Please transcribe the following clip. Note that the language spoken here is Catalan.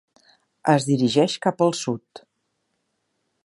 Es dirigeix cap al sud.